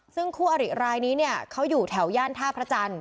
ซึ่งคู่อริรายนี้เนี่ยเขาอยู่แถวย่านท่าพระจันทร์